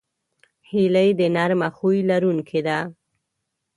هیلۍ د نرمه خوی لرونکې ده